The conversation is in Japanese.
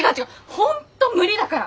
本当無理だから！